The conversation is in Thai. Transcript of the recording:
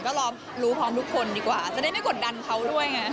ก็รอรู้พร้อมทุกคนดีกว่าจะได้ไม่กดดันเขาด้วยไง